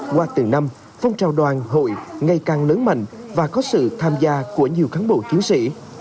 qua từng năm phong trào đoàn hội ngày càng lớn mạnh và có sự tham gia của nhiều cán bộ chiến sĩ